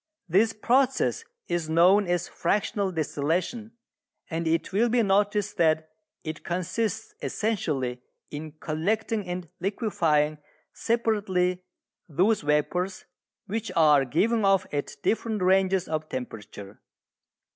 This process is known as fractional distillation, and it will be noticed that it consists essentially in collecting and liquefying separately those vapours which are given off at different ranges of temperature.